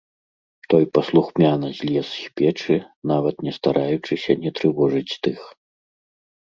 Той паслухмяна злез з печы, нават не стараючыся не трывожыць тых.